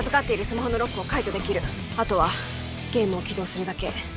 スマホのロックを解除できるあとはゲームを起動するだけ